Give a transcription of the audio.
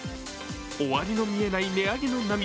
終わりの見えない値上げの波。